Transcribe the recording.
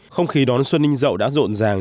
không khí đón xuân ninh dậu đã rộn ràng